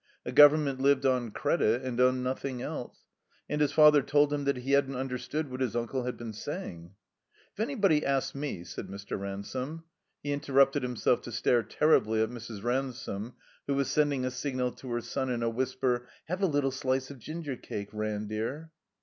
A Government lived on credit and on nothing else. And his father told him that he hadn't tmderstood what his imcle had been saying. "If anybody asks me —" said Mr. Ransome. He interrupted himself to stare terribly at Mrs. Ran 49 THE COMBINED MAZE some, who was sending a signal to her son and a whisper, "Have a little sUce of gingercake, Ran dear."